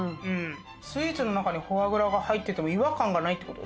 スイーツの中にフォアグラが入ってても違和感がないってこと？